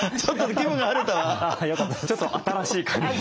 ちょっと新しい感じで。